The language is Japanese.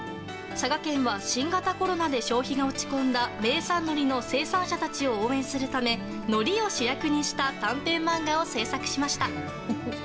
佐賀県は、新型コロナで消費が落ち込んだ名産海苔の生産者たちを応援するため海苔を主役にした短編漫画を制作しました。